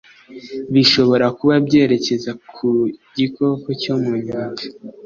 Bishobora kuba byerekeza ku gikoko cyo mu nyanja